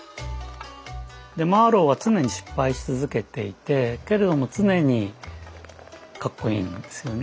マーロウは常に失敗し続けていてけれども常にかっこいいんですよね